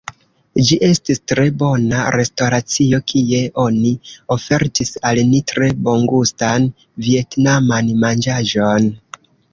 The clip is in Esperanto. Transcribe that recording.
Ĝi estis tre bona restoracio, kie oni ofertis al ni tre bongustan vjetnaman manĝaĵon.